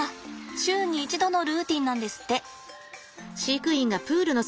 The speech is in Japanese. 週に１度のルーティンなんですって。